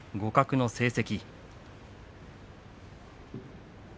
互角の成績。